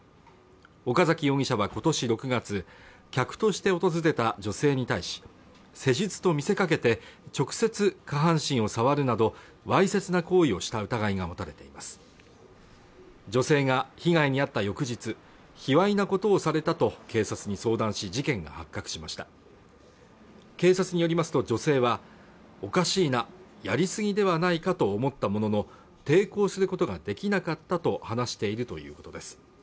岡崎容疑者は今年６月客として訪れた女性に対し施術と見せかけて直接下半身を触るなどわいせつな行為をした疑いが持たれています女性が被害に遭った翌日卑猥なことをされたと警察に相談し事件が発覚しました警察によりますと女性はおかしいな、やりすぎではないかと思ったものの抵抗することができなかったと話しているということです